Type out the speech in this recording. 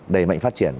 đẩy mạnh phát triển